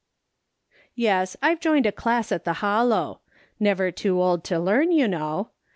" Yes, I've joined a class at the Hollow. Never too old to learn, you know.